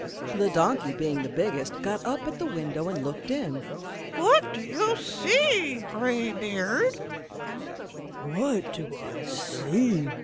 The donkey, being the biggest, got up at the window and looked in. "What do you see, Greybeard?" said the cock. "What do I see?"